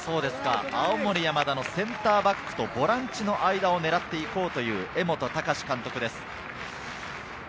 青森山田のセンターバックとボランチの間を狙っていこうという江本孝監督です。